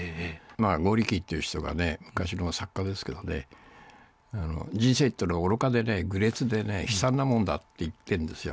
ゴーリキーっていう人がね、昔の作家ですけど、人生っていうのは愚かでね、愚劣でね、悲惨なもんだっていってるんですよ。